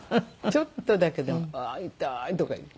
ちょっとだけど「あっ痛い」とか言って。